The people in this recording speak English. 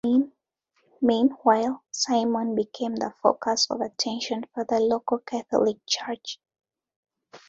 Meanwhile, Simon became the focus of attention for the local Catholic Church.